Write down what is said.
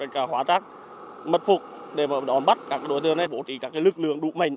cả hóa trác mật phục để đón bắt các đối tượng này bổ trí các lực lượng đủ mạnh